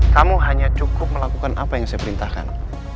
kamu hanya cukup melakukan apa yang saya perintahkan